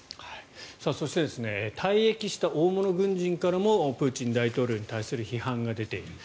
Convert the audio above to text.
そして退役した大物軍人からもプーチン大統領に対する批判が出ている。